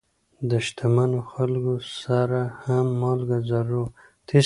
د شتمنو خلکو سره هم مالګه ضرور وه.